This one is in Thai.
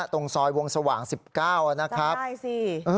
ตรงซอยวงสว่าง๑๙นะครับจำได้สิ